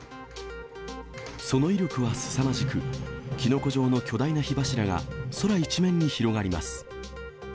その威力はすさまじく、きのこ状の巨大な火柱が空一面に広がります。